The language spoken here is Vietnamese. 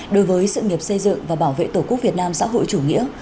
đối với sự nghiệp xây dựng và bảo vệ tổ quốc việt nam xã hội chủ nghĩa